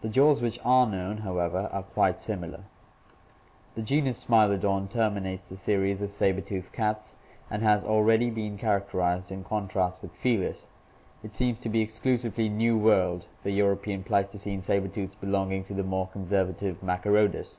The jaws which are known, however, are quite similar. The genus Smilodon (Figs. 183, A; 184, F; 187; PL XX) terminates the series of saber tooth cats and has already been characterized in contrast with Fdis (page 567). It seems to be exclusively New World, the European Pleistocene saber tooths belonging to the more conservative Machcerodus.